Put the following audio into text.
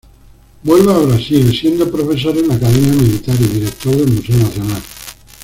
Vuelve a Brasil, siendo profesor en la Academia Militar y director del Museo Nacional.